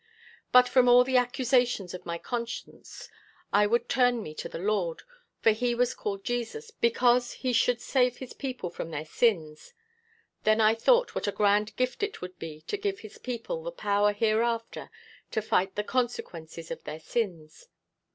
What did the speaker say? But from all the accusations of my conscience, I would turn me to the Lord, for he was called Jesus because he should save his people from their sins. Then I thought what a grand gift it would be to give his people the power hereafter to fight the consequences of their sins.